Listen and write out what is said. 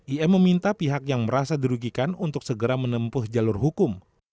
im meminta pihak yang merasa dirugikan untuk segera menempuh jalur hukum